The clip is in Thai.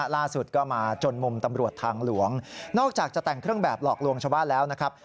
ล่าสุดก็มาจนมุมตำรวจทางหลวงนอกจากจะแต่งเครื่องแบบหลอกลวงชาวบ้านแล้วนะครับ